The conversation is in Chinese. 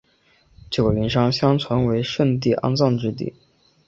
九嶷山相传为舜帝安葬之地。